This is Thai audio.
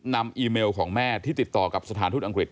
อีเมลของแม่ที่ติดต่อกับสถานทูตอังกฤษ